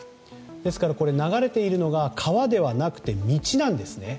ですから流れているのが川ではなくて道なんですね。